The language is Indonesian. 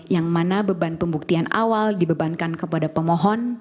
yang mana beban pembuktian awal dibebankan kepada pemohon